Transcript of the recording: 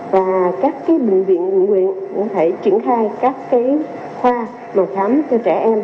và các bệnh viện nguyện cũng có thể triển khai các khoa màu khám cho trẻ em